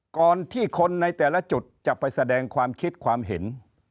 ก่อนที่คนในแต่ละจุดจะไปแสดงความคิดความเห็น